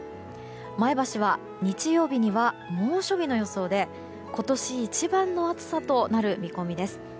前橋は日曜日には猛暑日の予想で今年一番の暑さとなる見込みです。